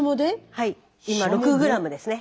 はい今６ｇですね。